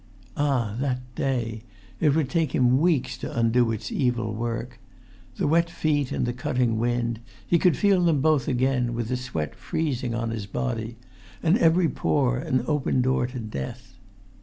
Ah, that day! It would take him weeks to undo its evil work. The wet feet and the cutting wind, he could feel them both again, with the sweat freezing on his body, and every pore an open door to death.